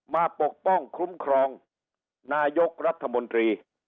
ปกป้องคุ้มครองนายกรัฐมนตรี